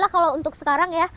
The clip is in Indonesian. kalau untuk sekarang